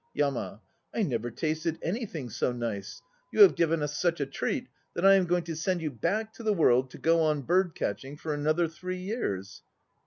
YAMA. I never tasted anything so nice. You have given us such a treat that I am going to send you back to the world to go on bird catching for another three years.